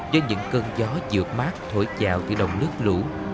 với những cơn gió dược mát thổi chào từ đồng nước lũ